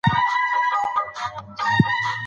که ته تمرین ونه کړې نو اضطراب به زیات شي.